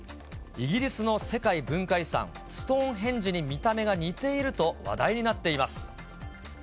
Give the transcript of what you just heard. イギリスの世界文化遺産、ストーンヘンジに見た目が似ていると話題になっています。